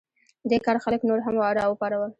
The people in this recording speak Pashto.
دې کار خلک نور هم راوپارول.